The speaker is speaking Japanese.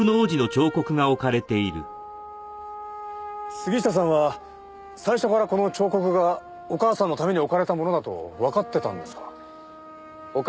杉下さんは最初からこの彫刻がお母さんのために置かれたものだとわかってたんですか？